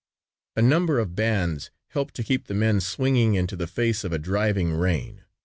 A number of bands helped to keep the men swinging into the face of a driving rain.